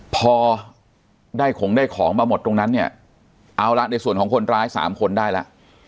พอได้ของได้ของมาหมดตรงนั้นเนี่ยเอาละในส่วนของคนร้ายสามคนได้แล้ว